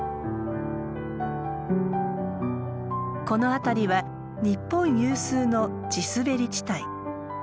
この辺りは日本有数の地すべり地帯。